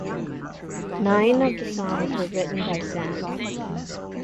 Nine of the songs were written by Sahm.